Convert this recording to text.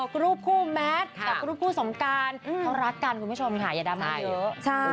รูปคู่แมทกับรูปคู่สงการเขารักกันคุณผู้ชมค่ะอย่าดราม่าเยอะ